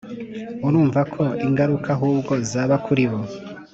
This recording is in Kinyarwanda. urumva ko ingaruka ahubwo zaba kuri bo